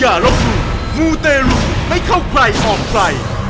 เอานะวิบากนะ